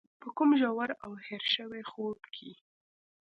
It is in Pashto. په کوم ژور او هېر شوي خوب کې.